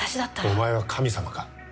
お前は神様か？